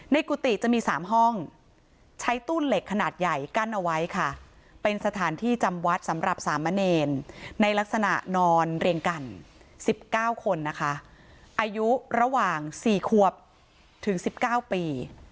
กุฏิจะมี๓ห้องใช้ตู้เหล็กขนาดใหญ่กั้นเอาไว้ค่ะเป็นสถานที่จำวัดสำหรับสามเณรในลักษณะนอนเรียงกัน๑๙คนนะคะอายุระหว่าง๔ควบถึง๑๙ปี